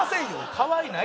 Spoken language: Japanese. かわいい。